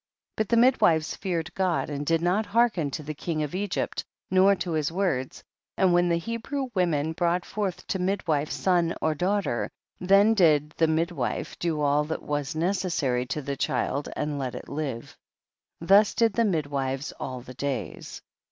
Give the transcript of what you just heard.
27. But the midwives feared God and did not hearken to the king of Egypt nor to his words, and when the Hebrew women brought forth to the midwife son or daughter, then did the midwife do all that was neces sary to the child and let it live ; thus did the midwives all the days.